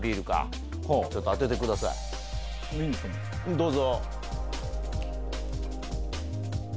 どうぞ。